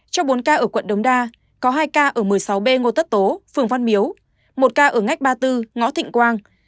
trong bốn ca ở quận đống đa có hai ca ở một mươi sáu b ngô tất tố phường văn miếu một ca ở ngách ba mươi bốn ngõ thịnh quang